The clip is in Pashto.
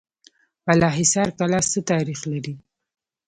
بالاحصار کلا څه تاریخ لري؟